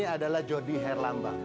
adalah jody herlamba